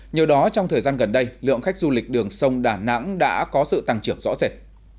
nhờ đó trong thời gian gần đây lượng khách du lịch đường sông đà nẵng đã có sự tăng trưởng rõ rệt